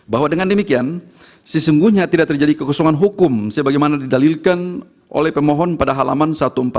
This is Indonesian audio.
bahwa dengan demikian sesungguhnya tidak terjadi kekosongan hukum sebagaimana didalilkan oleh pemohon pada halaman satu ratus empat puluh lima